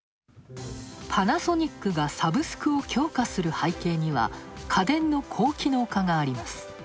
パナソニックがサブスクを強化する背景には家電の高機能化があります。